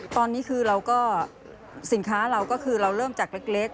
ตอนนี้คือเราก็สินค้าเราก็คือเราเริ่มจากเล็ก